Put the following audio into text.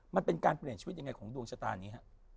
มันเป็นการเปลี่ยนชีวิตยังไงของดวงชะตานี้ฮะ